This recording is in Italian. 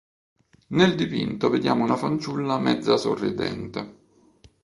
Nel dipinto vediamo una fanciulla mezza sorridente.